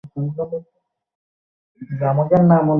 তুই আমাকে ছেলেকে মারার কে?